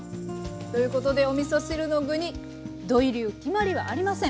ということでおみそ汁の具に土井流決まりはありません！